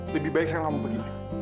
lebih baik saya ngamuk begini